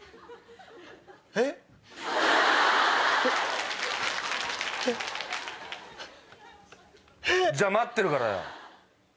えっ？えっ？じゃ待ってるからよ。